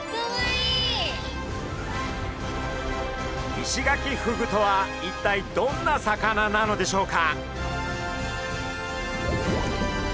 イシガキフグとは一体どんな魚なのでしょうか？